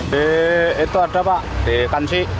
di itu ada pak di kansi